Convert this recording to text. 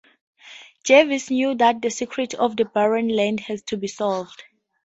Jervis knew that the secret of the Barrenland had to be solved.